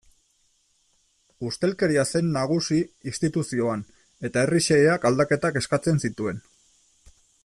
Ustelkeria zen nagusi instituzioan eta herri xeheak aldaketak eskatzen zituen.